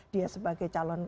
dia sebagai calon